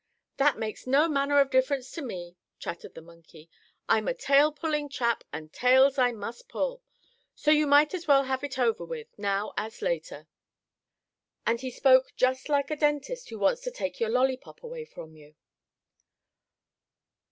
"That makes no manner of difference to me," chattered the monkey. "I'm a tail pulling chap, and tails I must pull. So you might as well have it over with, now as later." And he spoke just like a dentist who wants to take your lolly pop away from you.